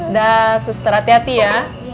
dah suster hati hati ya